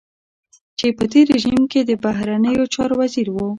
چې په تېر رژيم کې د بهرنيو چارو وزير و.